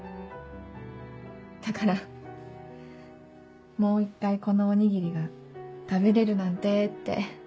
だからもう一回このおにぎりが食べれるなんてって。